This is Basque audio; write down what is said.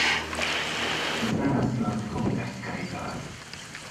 Ez da nazioarteko bitartekaritza bat.